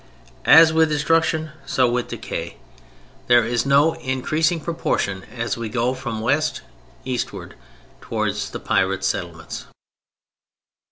As with destruction, so with decay, there is no increasing proportion as we go from the west eastward towards the Pirate settlements.